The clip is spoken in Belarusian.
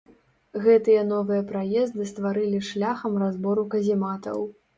Гэтыя новыя праезды стварылі шляхам разбору казематаў.